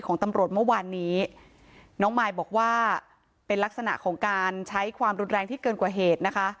ของตำรวจเมื่อวานนี้น้องมายบอกว่าเป็นลักษณะของการใช้ความรุนแรงที่เกินกว่าเหตุนะคะ